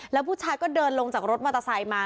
แล้วผู้ชายก็เดินลงจากรถมอเตอร์ไซค์มา